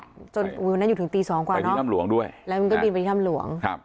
คุณวินาทีปี๒กว้างไปที่ทำหลวงด้วยวันนี้เห็นแล้ววันนี้เดินไปทำหลวง